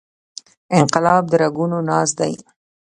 ګلاب د رنګونو ناز دی.